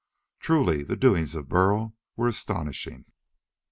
Truly the doings of Burl were astonishing!